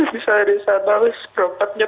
bisa risah malis perompaknya